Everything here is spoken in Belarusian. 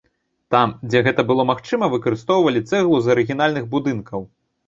Там, дзе гэта было магчыма, выкарыстоўвалі цэглу з арыгінальных будынкаў.